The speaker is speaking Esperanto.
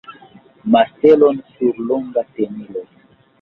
martelon sur longa tenilo.